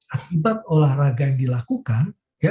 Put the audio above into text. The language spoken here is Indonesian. akibat olahraga yang dilakukan